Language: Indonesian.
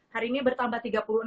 hari ini bertambah tiga puluh enam